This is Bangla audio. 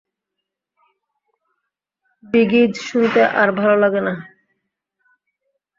বি গিজ শুনতে আর ভালো লাগে না!